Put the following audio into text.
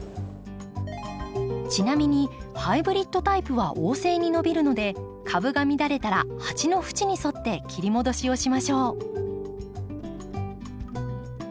ちなみにハイブリッドタイプは旺盛に伸びるので株が乱れたら鉢の縁に沿って切り戻しをしましょう。